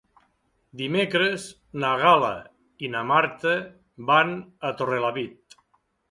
Dimecres na Gal·la i na Marta van a Torrelavit.